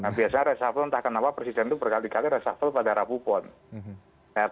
nah biasa resafel entah kenapa presiden itu berkali kali resafel pada rabu pond